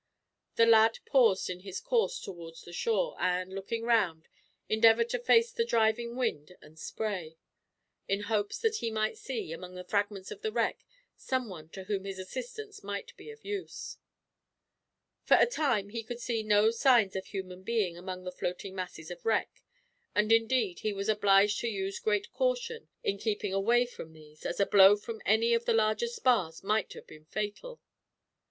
The lad paused in his course towards the shore and, looking round, endeavored to face the driving wind and spray; in hopes that he might see, among the fragments of the wreck, some one to whom his assistance might be of use. For a time, he could see no signs of a human being among the floating masses of wreck; and indeed, he was obliged to use great caution in keeping away from these, as a blow from any of the larger spars might have been fatal.